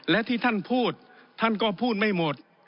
และที่ท่านพูดท่านก็พูดไม่หมด